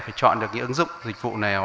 phải chọn được cái ứng dụng dịch vụ này